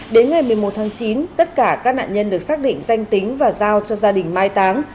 đến ngày một mươi một tháng chín tất cả các nạn nhân được xác định danh tính và giao cho gia đình mai táng